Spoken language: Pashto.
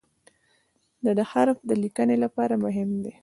د "د" حرف د لیکنې لپاره مهم دی.